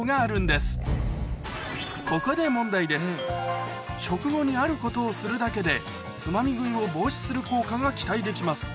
ここで食後にあることをするだけでつまみ食いを防止する効果が期待できます